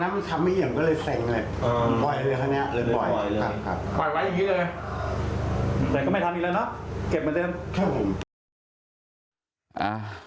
ครับครับปล่อยไว้อย่างงี้เลยแต่ก็ไม่ทำอีกแล้วเนอะเก็บมาเต็มใช่ค่ะ